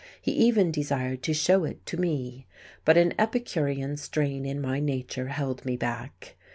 He even desired to show it to me, but an epicurean strain in my nature held me back.